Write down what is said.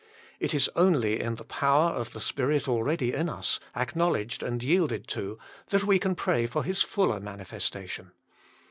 It is only in the power of the Spirit already in us, acknowledged and yielded to, that we can pray for His fuller manifestation.